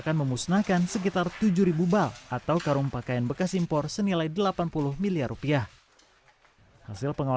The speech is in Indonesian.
karena aturan tidak boleh jadi maksudnya illegal